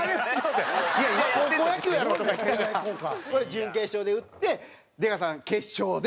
準決勝で打って出川さん決勝で。